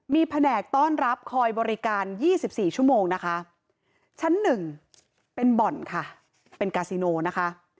มีแผนกต้อนรับคอยบริการ๒๔ชั่วโมงนะคะชั้น๑เป็นบ่อนค่ะเป็นกาซิโนนะคะ